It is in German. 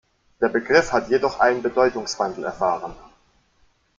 Der Begriff hat jedoch einen Bedeutungswandel erfahren.